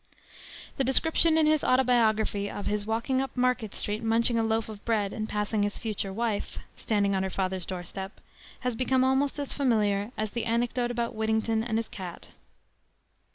The description in his Autobiography of his walking up Market Street munching a loaf of bread, and passing his future wife, standing on her father's doorstep, has become almost as familiar as the anecdote about Whittington and his cat.